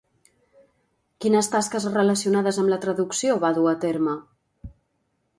Quines tasques relacionades amb la traducció va dur a terme?